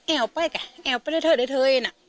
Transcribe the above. แอ้วไปก่ะแอ้วไปได้เท่าไหร่เท่าเองอ่ะ